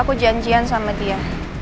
aku janjian sama dia